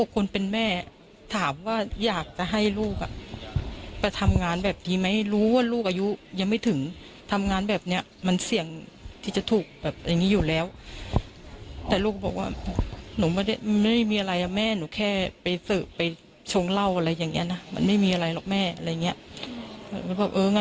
เขาก็บอกแม่หนูไปแล้วนะ